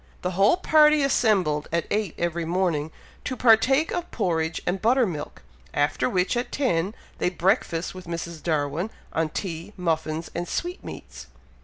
The whole party assembled at eight every morning, to partake of porridge and butter milk, after which, at ten, they breakfasted with Mrs. Darwin on tea, muffins, and sweetmeats.